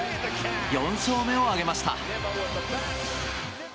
４勝目を挙げました。